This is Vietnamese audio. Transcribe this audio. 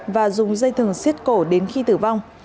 và dùng dây thừng xiết cổ đến khi tử vong